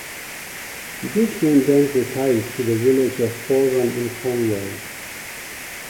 Bridgman then retired to the village of Polruan in Cornwall.